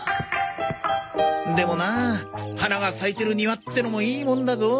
でもなあ花が咲いてる庭ってのもいいもんだぞ。